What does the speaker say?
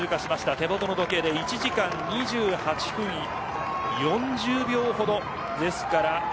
手元の時計で１時間２８分４０秒ほどです。